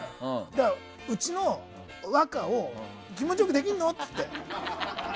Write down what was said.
だから、うちの若を気持ち良くできるの？って。